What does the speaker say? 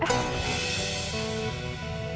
aku mau ke kantor